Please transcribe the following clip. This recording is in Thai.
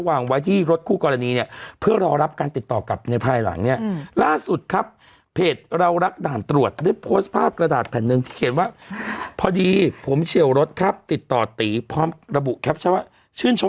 วันที่แกไม่สบายแล้วแกก็ไม่รับโทรศัพท์ธรรมดาแกจะรับโทรศัพท์ผมก่อนเลย